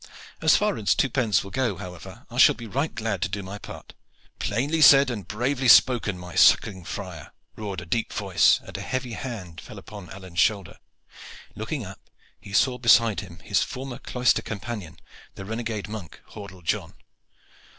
As far as two pence will go, however, I shall be right glad to do my part." "Plainly said and bravely spoken, my suckling friar," roared a deep voice, and a heavy hand fell upon Alleyne's shoulder. Looking up, he saw beside him his former cloister companion the renegade monk, Hordle John.